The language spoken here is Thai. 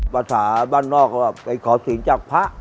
ภาษาบ้านนอกว่าไปขอศีลจากพระ